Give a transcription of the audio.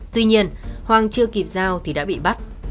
tuy nhiên hoàng chưa kịp giao thì đã bị bắt